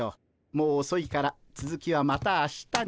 もうおそいからつづきはまた明日に。